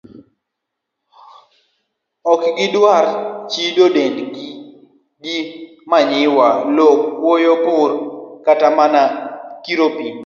Ok gidwar chido dendgi gi manyiwa, lowo, kuoyo, pur, kata mana kiro pi.